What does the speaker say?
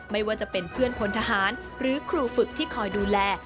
ไม่ว่าจะเป็นเพื่อนพลทหารหรือครูฝึกที่คอยดูแล